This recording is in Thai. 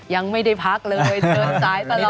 ยังไม่ได้พักเลยเดินสายตลอด